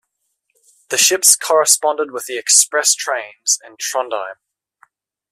The ships corresponded with the express trains in Trondheim.